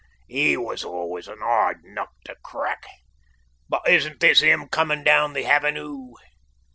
He was always a hard nut to crack. But isn't this him coming down the avenue?"